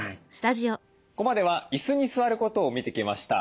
ここまでは椅子に座ることを見てきました。